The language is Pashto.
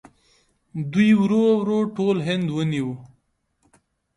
دوی ورو ورو ټول هند ونیو.